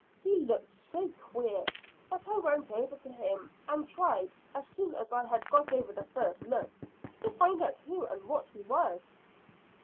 He looked so queer that I went over to him, and tried, as soon as I had got over the first look, to find out who and what he was."